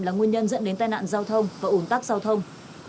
là nguyên nhân dẫn đến tai nạn giao thông và ủn tắc giao thông